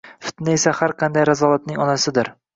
Fitna esa har qanday razolatning onasidir.